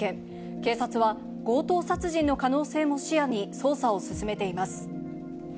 警察は強盗殺人の可能性も視野に捜査を進めています。